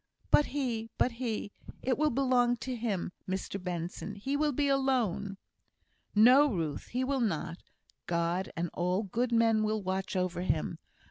"But he but he it will be long to him, Mr Benson! He will be alone!" "No, Ruth, he will not. God and all good men will watch over him.